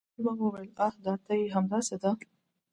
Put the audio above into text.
زموږ میلمه وویل چې آه دا ته یې همداسې ده